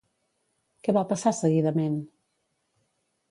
Què va passar seguidament?